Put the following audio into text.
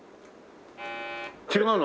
違うの？